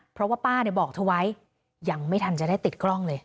เพราะว่าป้าบอกเธอไว้ยังไม่ทันจะได้ติดกล้องเลย